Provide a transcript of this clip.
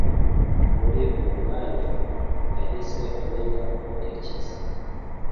muri uwo mwanya, yahise amenya ko yakize